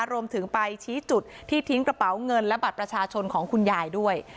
รวมถึงไปชี้จุดที่ทิ้งกระเป๋าเงินและบัตรประชาชนของคุณยายด้วย